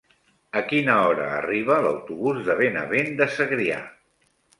A quina hora arriba l'autobús de Benavent de Segrià?